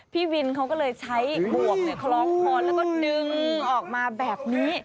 พี่วินเขาก็เลยใช้หมวกคล้องคอแล้วก็ดึงออกมาแบบนี้